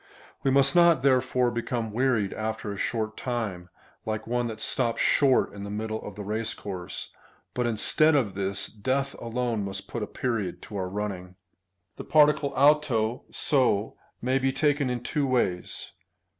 We must not therefore become wearied after a short time, like one that stops short in the middle of the race course, but instead of this, death alone must put a period to our running. The particle ovt(o, (so,) may be taken in two ways.